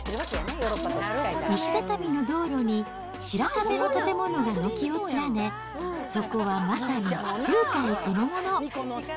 石畳の道路に白壁の建物が軒を連ね、そこはまさに地中海そのもの。